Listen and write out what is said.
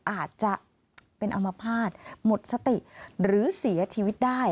อาจจะเป็นอมภาษณ์หมดสติหรือเสียชีวิตได้